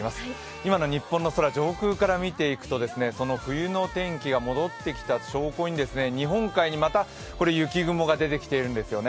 今の日本の空、上空から見ていくとその冬の天気が戻ってきた証拠に日本海にまた、雪雲が出てきてるんですよね。